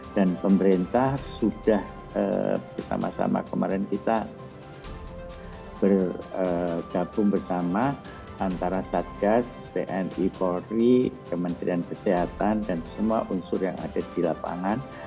dan pemerintah sudah bersama sama kemarin kita bergabung bersama antara satgas bni polri kementerian kesehatan dan semua unsur yang ada di lapangan